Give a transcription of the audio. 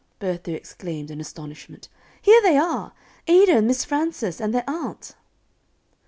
Bertha exclaimed, in astonishment, "here they are Ada and Miss Frances, and their aunt."